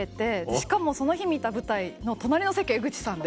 しかもその日見た舞台の隣の席江口さんで。